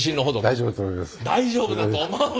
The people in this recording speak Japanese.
大丈夫だと思う。